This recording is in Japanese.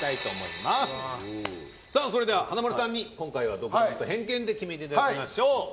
それでは華丸さんに今回は独断と偏見で決めていただきましょう。